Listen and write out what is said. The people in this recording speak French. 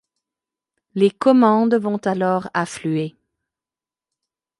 Les commandes vont alors affluer.